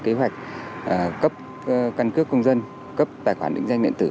công an xã đã xây dựng kế hoạch để cấp cân cấp công dân cấp tài khoản định danh định tử